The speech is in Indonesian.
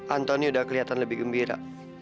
antoni udah kelihatan lebih gembira